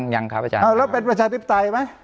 แล้วเป็นประชาธิปไตยไหม